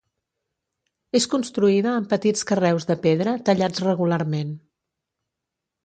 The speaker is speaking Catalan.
És construïda amb petits carreus de pedra, tallats regularment.